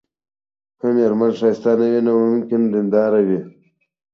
که ميرمن ښايسته نه وي، نو ممکن دينداره وي